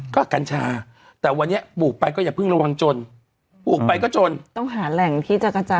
ก็กัญชาแต่วันนี้ปลูกไปก็อย่าเพิ่งระวังจนปลูกไปก็จนต้องหาแหล่งที่จะกระจาย